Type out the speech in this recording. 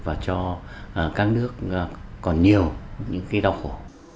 và cho các nước còn nhiều những cái đau khổ